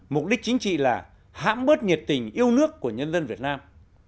mục đích chính trị là hãm bớt nhiệt tình yêu nước của nhân dân việt nam